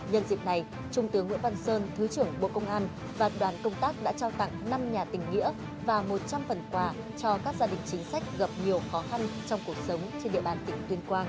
nhân dịp này trung tướng nguyễn văn sơn thứ trưởng bộ công an và đoàn công tác đã trao tặng năm nhà tỉnh nghĩa và một trăm linh phần quà cho các gia đình chính sách gặp nhiều khó khăn trong cuộc sống trên địa bàn tỉnh tuyên quang